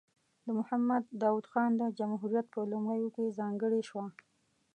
د محمد داود خان د جمهوریت په لومړیو کې ځانګړې شوه.